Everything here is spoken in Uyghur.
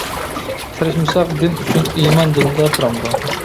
تىرىشمىساق دىن ئۈچۈن ئىمان دىلدا تۇرامدۇ.